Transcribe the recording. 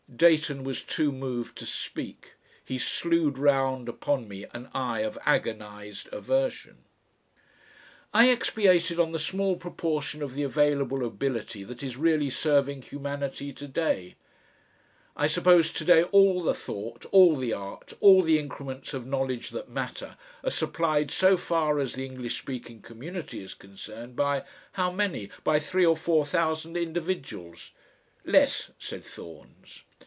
Dayton was too moved to speak. He slewed round upon me an eye of agonised aversion. I expatiated on the small proportion of the available ability that is really serving humanity to day. "I suppose to day all the thought, all the art, all the increments of knowledge that matter, are supplied so far as the English speaking community is concerned by how many? by three or four thousand individuals. ['Less,' said Thorns.)